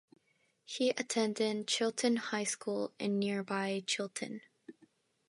He attended Chilton High School in nearby Chilton.